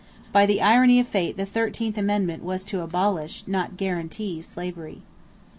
By the irony of fate the thirteenth amendment was to abolish, not guarantee, slavery.